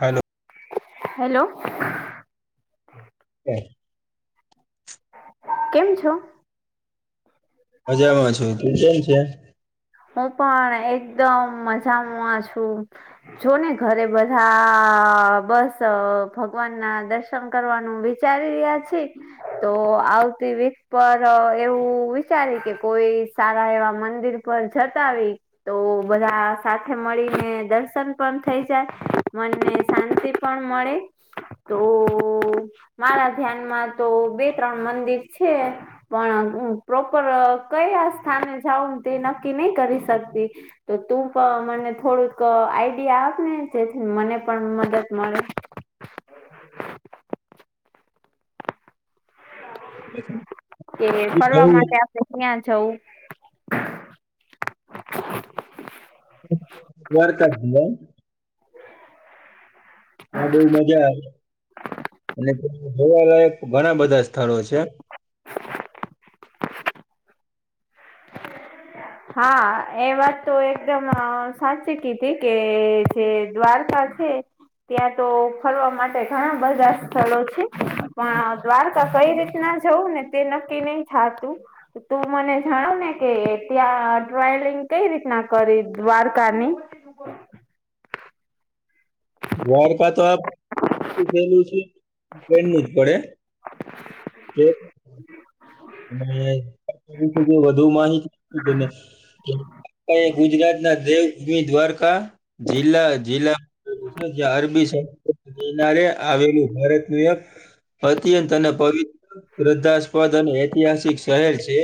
Hello hello by કેમ છો મજામાં છું તું કેમ છે? હું પણ એકદમ મજામાં છું જો ને ઘરે બધા બસ ભગવાન ના દર્શ ર્શન કરવાનું વિચારી રહ્યા છે તો આવતી વીક પર એવું વિચારી કે કોઈ સારા એવા મંદિર પર જતાવી તો બધા સાથે મળીને દર્શન પણ થઈ જાય મનની શાંતિ પણ મળે તો મારા ધ્યાનમાં તો બે ત્રણ મંદિર છે. પણ હું પ્રોપર કયા સ્થાને જાઉ તે નક્કી નહી કરી શકતી. તો તું પણ મને થોડુંક આઈડિયા આપ ને જેથી મને પણ મદદ મળે. [inaudible] કે ફરવા માટે દ્વારકા આપણે ક્યાં જવું દ્વારકા [unintelligible] ત્યાં બહુ મજા આવે અને જોવાલાયક ઘણા બધા સ્થળો છે. [inaudible] હા એ વાત તો એકદમ સાચી કીધી કે જે દ્વારકા છે ત્યાં તો ફરવા માટે ઘણા બધા સ્થળો છે પણ દ્વારકા કઈ રીતના જવું ને તે નક્કી નહી થતું તું મને જણાવ ને કે ત્યાં ટ્રાવલિંગ કઈ રીતના કરી દ્વારકાની દ્વારકા તો [unintelligible] ટ્રેન નું જ પડે જો [unintelligible] વધુ માહિતી આપ [unintelligible] કે [unintelligible] ગુજરાત ના દેવભૂમિ દ્વારકા જિલ્લા જિલ્લા જે અરબી સમુદ્ર માં આવેલું ભારતીય અત્યંત અને પવિત શ્રદ્ધાસ્પદ અને ઐતિહાસિક શહેર છે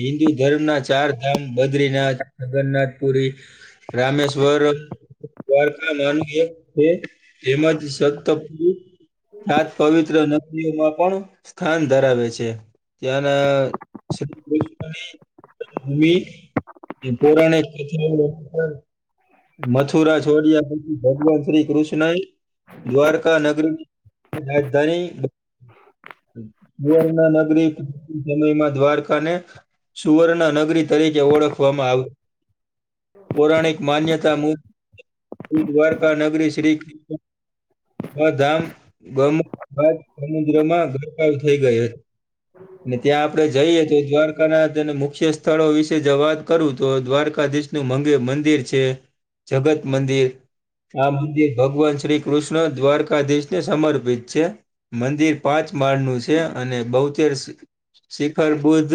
હિન્દુ ધર્મ ના ચાર ધામ બદ્રીનાથ જગન્નાથપુરી રામેશ્વર દ્વારકા માનું છે એમાંજ સત સાત પવિત્ર નદીઓમાં પણ સ્થાન ધરાવે છે. ત્યાંના [inaudible] ભૂમિ એ પૌરાણિક કથા [inaudible] મથુરા છોડિયા પછી ભગવાન શ્રી કૃષ્ણએ દ્વારકા નગરી રાજધાની [unintelligible] નગરી સમયમાં દ્વારકા ને સુવર્ણ નગરી તરીકે ઓળખવામાં આવે પૌરાણિક માન્યતા મુજ દ્વારકા નગ શ્રી કૃષ્ણ આ ધામ [unintelligible] બાદ સમુદ્રમાં ગરકાવ થઈ ગઈ હતી. અને ત્યાં આપડે જઈએ તો [unintelligible] [unintelligible] ના અને મુખ્ય સ્થળો વિશે જો વાત કરું તો દ્વારકાધીશ નું મઘે મંદિર છે. જગત મંદિર આ મંદિર ભગવાન શ્રી કૃષ્ણ દ્વારકાધીશ ને સમર્પિત છે. મંદિર પાંચ માળ નું છે. અને બહુતેર શિખર બુદ્ધ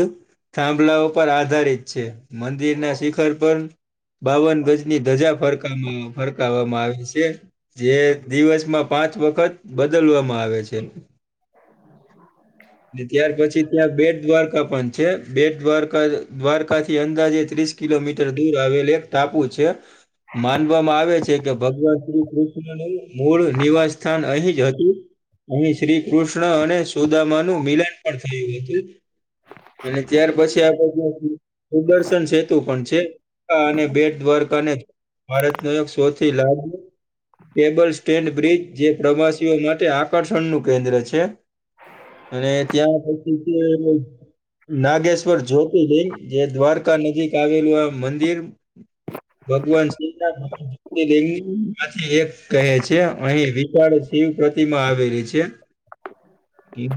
થાંભલા પર આધારિત છે. મંદિરના શિખર પર બાવન ગજની ધજા ફરકા ફરકાવામાં આવે છે જે દિવસમાં પાંચ વખત બદલવામાં આવે છે. ને ત્યાર પછી ત્યાં બેટ દ્વારકા પણ છે. બેટ દ્વારકા દ્વારકાથી અંદાજે ત્રીસ કિલોમીટર દૂર આવેલ એક ટાપુ છે. માનવામાં આવે છે કે ભગવાન શ્રી કૃષ્ણ નું મૂળ નિવાસ સ્થાન અહી જ હતું. અહીં શ્રી કૃષ્ણ અને સુદામા નું મિલન પણ થયું હતું. અને ત્યાર પછી આપડે ત્યાં સુદર્શન સેતુ પણ છે અને બેટ દ્વારકા અને ભારતનો એક સૌથી લાંબો કેબલ સ્ટેન્ડ બ્રિજ જે પ્રવાસીઓ માટે આકર્ષણ નું કેન્દ્ર છે. અને ત્યાં પછી જે નાગેશ્વર જ્યોતિલિંગ જે દ્વારકા નજીક આવેલું આ મંદિર ભગવાન શિવના જ્યોતિર્લિંગ માંથી એક કહે છે. અહી વિશાળ શિવ પ્રતિમા આવેલી છે.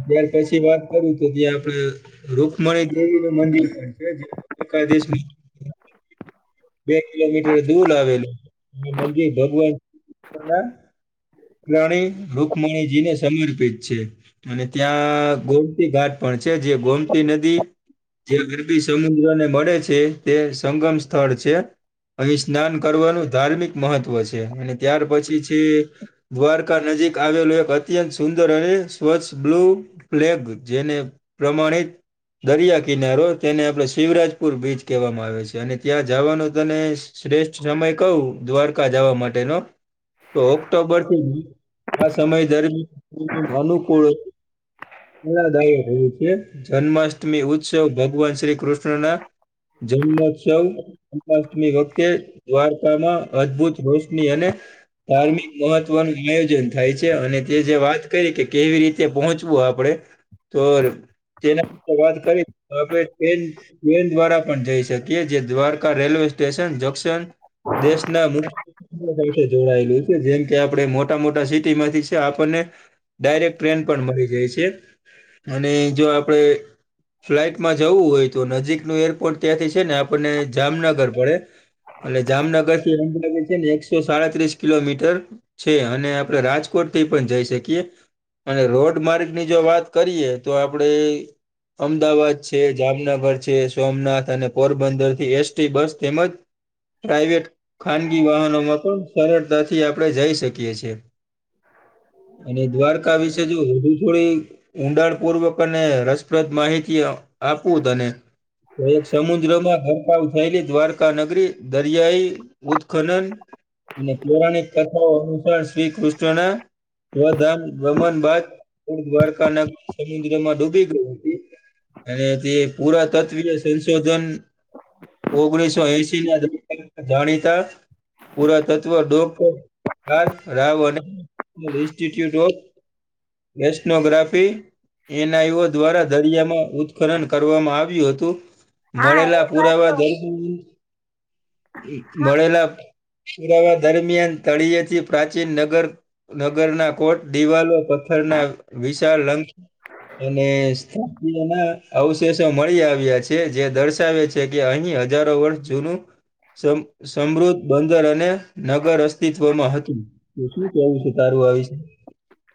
ત્યાર પછી વાત કરું તો ત્યા આપડે રુકમણી દેવી નું મંદિર પણ છે જે દ્વારકાધીશથી બે કિલોમીટર દૂર આવેલું છે અને મંદિર ભગવાન શ્રી કૃષ્ણ ના રાણી રુકમણીજી ને સમર્પિત છે. અને ત્યાં ગોમતી ઘાટ પણ છે. જે ગોમતી નદી જે અરબી સમુદ્રને મળે છે. તે સંગમ સ્થળ છે. અહીં સ્નાન કરવાનું ધાર્મિક મહત્વ છે. અને ત્યાર પછી છે દ્વારકા નજીક આવેલું એક અત્યંત સુંદર અને સ્વચ્છ બ્લુ પ્લેગ જેને પ્રમાણિત દરિયા કિનારો તેને આપણે શિવરાજપુર બીચ કહેવામાં આવે છે. અને ત્યાં જવાનું તને શ્રેષ્ઠ સમય કવ દ્વારકા જવા માટેનો તો ઓક્ટોબર થી આ સમય દરમિયાન [unintelligible] અનુકૂળ [unintelligible] જન્માષ્ટમી ઉત્સવ ભગવાન શ્રી કૃષ્ણ ના જન્મોત્સવ જન્માષ્ટમી વખતે દ્વાર કામાં અદભુત રોશની અને ધાર્મિક મહત્વનું આયોજન થાય છે. અને તે જે વાત કરી કે કેવી રીતે પહોંચવું આપણે તો તેના વાત કરી [unintelligible] ટ્રેન દ્વારા પણ જઈ શકીએ જે દ્વારકા રેલવે સ્ટેશન જંક્શન દેશના [unintelligible] જોડાયેલું છે જેમ કે આપણે મોટા મોટા સિટી માંથી છે આપણને ડાયરેક્ટ ટ્રેન પણ મળી જાય છે અને જો આપણેે ફ્લાઇટમાં જવું હોય તો નજીકનું એરપોર્ટ ત્યાંથી છે ને આપણને જામનગર પડે [inaudible] અને જામનગર થી [unintelligible] લગે છે ને એકસો સાડત્રીસ કિલોમીટર છે અને આપડે રાજકોટ થી પણ જઈ શકીએ. અને રોડ માર્ગ ની જો વાત કરીએ તો આપડે અમદાવાદ છે જામનગર છે સોમનાથ અને પોરબંદરથી એસટી બસ તેમજ પ્રાઈવેટ ખાનગી વાહનોમાં પણ સરળતાથી આપણે જઈ શકીએ છીએ. અને દ્વારકા વિશે જો [unintelligible] થોડી. ઊંડાણ પૂર્વક અને રસપ્રદ માહિતીઅ આપવું તને. [unintelligible] એક સમુદ્ર માં [unintelligible] થયેલી દ્વારકા નગરી દરિયાઈ ઉત્ખનન મથુરા [unintelligible] અનુસાર શ્રી કૃષ્ણને દ્રવદાન દમન બાદ દ્વારકાનાગ સમુદ્રમાં ડૂબી ગય હતી. અને તે પુરાતત્વીય સંશોધન ઓગણીસો એશ ના જાણીતા, પુરાતત્વ ડો. રાવ અને institute of oceanography N. I. O દ્વારા દરિયામાં ઉત્કરણ કરવામાં આવ્યું હતું. હા એ મળેલા વાત તો પુરાવા દર મળેલા પુરાવા દરમિયાન તળિયે થી પ્રાચીન નગર નગર ના કોટ દિવાલો પથ્થર ના વિશાળ લંક અને સ્થાપીય ના અવશેષો મળી આવ્યા છે, જે દર્શાવે છે કે અહીં હજારો વર્ષ જૂનું સમ, સમૃદ્ધ બંદર અને નગર અસ્તિત્વમાં હતું. તો શું કેવું છે? તારું આવી છે.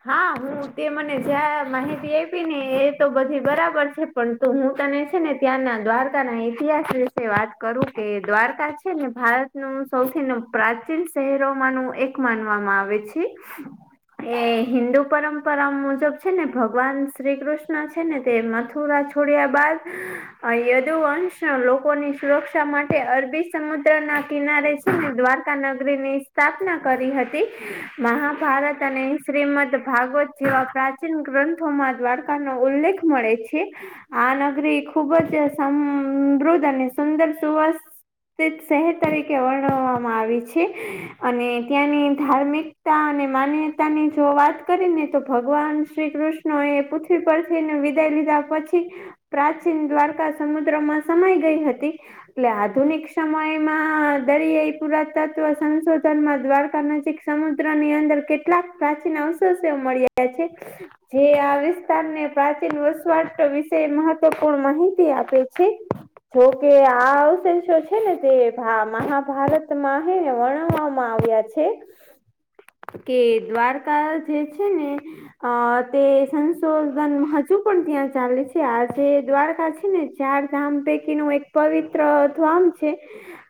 હા, હું તે મને જે આ માહિતી આપી ને એ તો બધી બરાબર છે. પણ હું તને છે ને ત્યાંના દ્વારકા ના ઇતિહાસ વિશે વાત કરું કે દ્વારકા છે ને ભારત નું સૌથી પ્રાચીન શહેરો માં નું એક માનવામાં આવે છે. એ.. હિન્દુ પરંપરા મુજબ છે ને ભગવાન શ્રી કૃષ્ણ છે ને તે મથુરા થી છોડ્યા બાદ અ યદુવંશ ના લોકોની સુરક્ષા માટે અરબી સમુદ્ર ના કિનારે દ્વારકા નગરી ની સ્થાપના કરી હતી, મહાભારત અને શ્રીમદ ભાગવત જેવા પ્રાચીન ગ્રંથોમાં દ્વારકા નો ઉલ્લેખ મળે છે. આ નગરી ખુબ જ સમૃદ્ધ અને સુંદર સુવાસ શહેર તરીકે વર્ણવામાં આવી છે અને ત્યાંની ધાર્મિક તા અને માનવિતા ની જો વાત કરી ને તો, ભગવાન શ્રી કૃષ્ણ એ પૃથ્વી પરથી ને વિદાય લીધા પછી પ્રાચીન દ્વારકા સમુદ્ર માં સમાઈ ગઈ હતી. એટલે આધુનિક સમયમાં દરિયાઈ પુરાતત્વ સંશોધનમાં દ્વારકા ના સમુદ્ર ની અંદર કેટલાક પ્રાચીન અવશેષો મળી આયા છે. જે આ વિસ્તારને પ્રાચીન વસવાટ વિશે મહત્વપૂર્ણ માહિતી આપે છે. જો કે આ અવશેષો છે ને તે ભા, મહાભારત માં છે ને વર્ણવામાં માં આવ્યા છે, કે દ્વારકા જે છે ને અ તે સંશોધન હજુ પણ ત્યાં ચાલે છે, આ જેે દ્વારકા છે ને ચાર ધામ પૈકી નું એક પવિત્ર ધામ છે.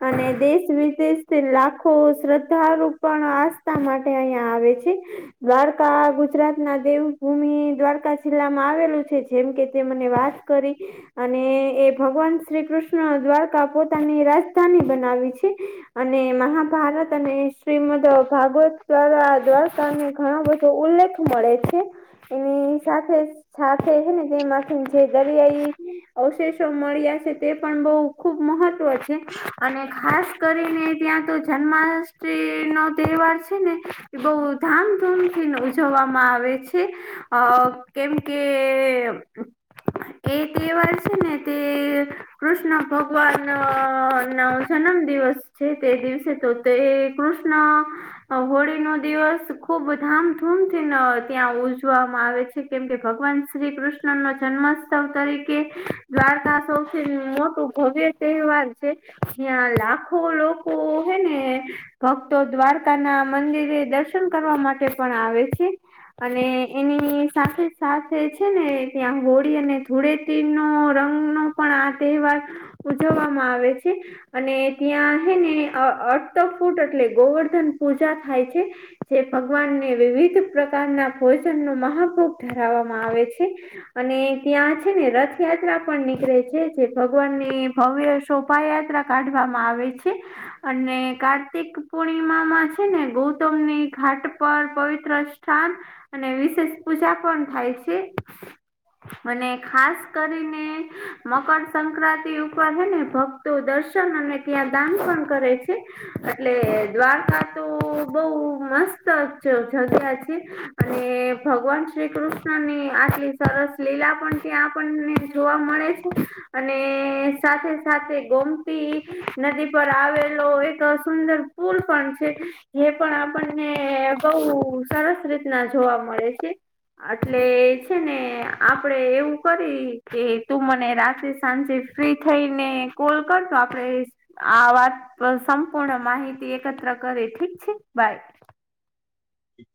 અને દેશ-વિદેશથી લાખો શ્રદ્ધાળુ પણ આસ્થા માટે અહીંયા આવે છે. છે. દ્વારકા ગુજરાત ના દેવભૂમિ દ્વારકા જિલ્લામાં આવેલું છે, જેમ કે તે મને વાત કરી. અને એ ભગવાન શ્રી કૃષ્ણ દ્વારકા પોતાની રાજધાની બનાવી છે. અને મહાભારત અને શ્રીમદ ભાગવત દ્વારા તને ઘણો બધો ઉલ્લેખ મળે છે. એની સાથે, સાથે છે ને તે માંથી જે દરિયાઈ અવશેષો મળ્યા છે, તે પણ બઉ ખુબ મહત્વ છે અને ખાસ કરીને ત્યાં તો જન્માષ્ટમી નો તહેવાર છે ને એ બઉ ધામ-ધૂમથી ઉજવવામાં આવે છે. અ... કેમ કે, એ તે વાર છે ને તે કૃષ્ણ ભગવાન ન જન્મ દિવસ છે તે દિવસે તો તે કૃષ્ણ હોળી નો દિવસ ખુબ ધામધૂમથીને ત્યાં ઉજવામાં આવે છે કેમ કે ભગવાન શ્રી કૃષ ષ્ણ ન જન્મોત્સવ તરીકે દ્વારકા સૌથી મોટું ભવ્ય તહેવાર છે. ત્યાં લાખો લોકો હે ને ભક્તો દ્વારકા ના મંદિરે દર્શન કરવા માટે પણ આવે છે. અને એની સાથે જ સાથે છે ને ત્યાં હોળી અને ધૂળે ટીનો રંગ નો પણ આ તહેવાર ઉજવવામાં આવે છે. અને ત્યાં હે ને અ અડતો ફૂટ એટલે ગોવર્ધન પૂજા થાય છે. જે ભગવાનને વિવિધ પ્રકારના ભોજનનો મહાભોગ ધરાવવામાં આવે છે. અને ત્યાં છે ને રથયાત્રા પણ નીકળે છે જે ભગવાનને ભવ્ય શોભાયાત્રા કાઢવામાં આવે છે. અને કાર્તિક પૂર્ણિમામાં છે ને ગૌતમ ની ઘાટ પર પવિત્ર સ્થાન અને વિશેષ પૂજા પણ થાય છે. અને ખાસ કરીને મકરસક્રાંતિ ઉપર હ ને ભક તો દર્શન અને ત્યાં દાન પણ કરે છે. એટલે દ્વારકા તો બઉ મસ્ત જ જગ્યા છે અને ભગવાન શ્રી કૃષ્ણ ને આટલી સરસ લીલા પણ ત્યાં આપણને જોવા મળે છે. અને સાથે સાથે ગોમતી નદી પર આવેલો એક સુંદર પુલ પણ છે એ પણ આમ પણને બઉ સરસ રીતના જોવા મળે છે. અટલે છે ને આપડે એવું કરી કે તું મને રાતે સાંજે ફ્રી થઈ ને કોલ કરતો આપડે આ વાત પર સંપૂર્ણ માહિતી એકત્ર કરે ઠીક છે બાય.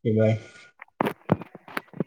એ ભાઈ